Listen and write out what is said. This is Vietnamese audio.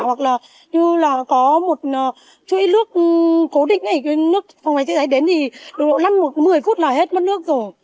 hoặc là như là có một chuỗi nước cố định này nước phòng cháy chữa cháy đến thì độ một mươi phút là hết mất nước rồi